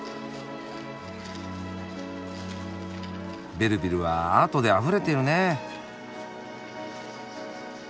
ベルヴィルはアートであふれているね。